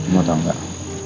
mau tau nggak